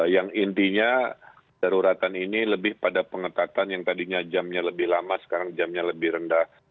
yang intinya daruratan ini lebih pada pengetatan yang tadinya jamnya lebih lama sekarang jamnya lebih rendah